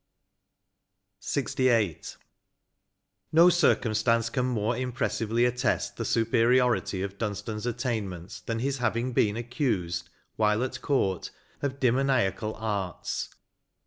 J86 LXVIII. "No circumstance can more impressively attest the superiority of Dunstan's attainments than his having heen accused, while at court, of demoniacal arts.